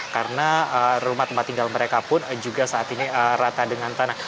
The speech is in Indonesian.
karena rumah tempat tinggal mereka pun juga saat ini rata dengan tanah